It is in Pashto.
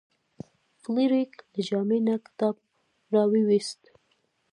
فلیریک له جامې نه کتاب راویوست.